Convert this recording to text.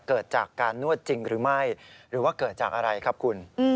เกิดจากการนวดจริงหรือไม่หรือว่าเกิดจากอะไรครับคุณ